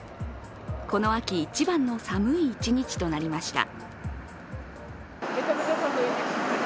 この秋一番の寒い一日となりました。